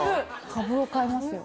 株を買いますよ